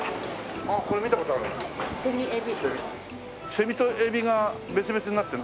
セミとエビが別々になってるの？